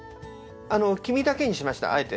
黄身だけにしましたあえて。